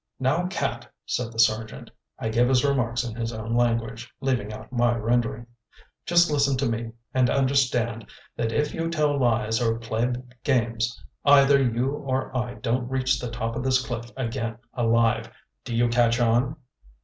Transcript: "Now, Cat," said the Sergeant (I give his remarks in his own language, leaving out my rendering) "just listen to me, and understand that if you tell lies or play games either you or I don't reach the top of this cliff again alive. Do you catch on?"